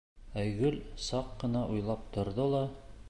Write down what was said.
Айгөл саҡ ҡына уйлап торҙо ла: